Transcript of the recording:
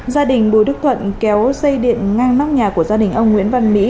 gia đình bùi đức thuận kéo dây điện ngang nóc nhà của gia đình ông nguyễn văn mỹ